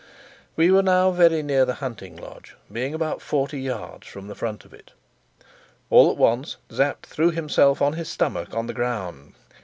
We were now very near the hunting lodge, being about forty yards from the front of it. All at once Sapt threw himself on his stomach on the ground.